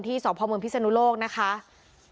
ที่สอบพผศทรวรกษ์